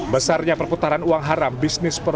besarnya perputaran uang haram bisnis